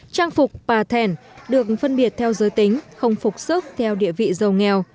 trang phục pa thèn được phân biệt theo giới tính không phục sức theo địa vị giàu nghèo